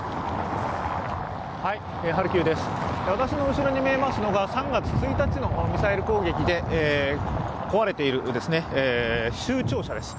私の後ろに見えますのが３月１日のミサイル攻撃で壊れている、州庁舎です。